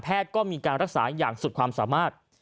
ก็มีการรักษาอย่างสุดความสามารถ